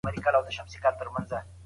کله به نړیواله ټولنه بازار تایید کړي؟